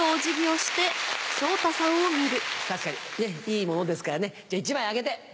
確かにいいものですからねじゃ１枚あげて。